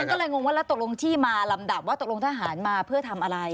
ก็เลยงงว่าแล้วตกลงที่มาลำดับว่าตกลงทหารมาเพื่อทำอะไร